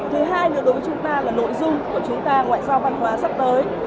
thứ hai nữa đối với chúng ta là nội dung của chúng ta ngoại giao văn hóa sắp tới